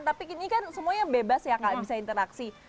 tapi ini kan semuanya bebas ya kak bisa interaksi